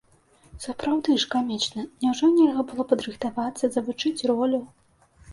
Сапраўды ж, камічна, няўжо нельга было падрыхтавацца, завучыць ролю?